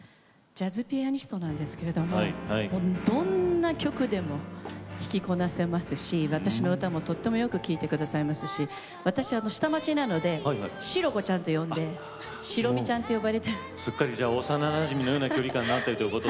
ジャズピアニストなんですけれどもどんな曲でも弾きこなせますし私の歌もとてもよく聴いてくださいますし私下町なのでシロコちゃんと呼んでシロミちゃんと呼ばれています。